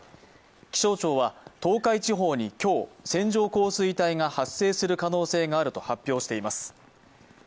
気象庁は東海地方に今日、線状降水帯が発生する可能性があると発表しています。